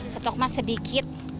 stok masih sedikit